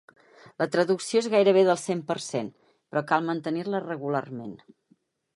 La traducció és gairebé del cent per cent, però cal mantenir-la regularment.